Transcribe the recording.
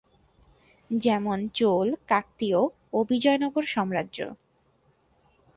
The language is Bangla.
যেমন চোল, কাকতীয় ও বিজয়নগর সাম্রাজ্য।